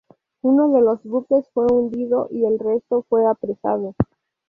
Uno de los buques fue hundido y el resto fue apresado.